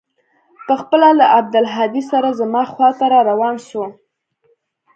پخپله له عبدالهادي سره زما خوا ته راروان سو.